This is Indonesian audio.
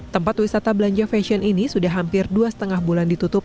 tempat wisata belanja fashion ini sudah hampir dua lima bulan ditutup